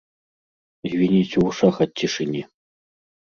Звініць у вушах ад цішыні.